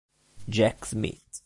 Jack Smith